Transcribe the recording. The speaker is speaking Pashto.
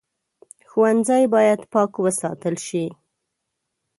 ښوونځی باید پاک وساتل شي